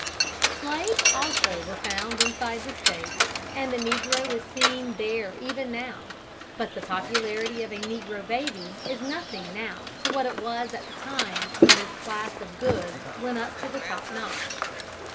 Slaves also were found inside the State, and the negro is seen there even now; but the popularity of a negro baby is nothing now to what it was at the time when this class of goods went up to the top notch.